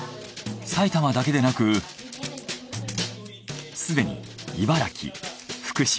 埼玉だけでなくすでに茨城福島